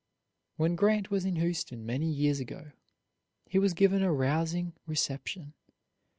When Grant was in Houston many years ago, he was given a rousing reception.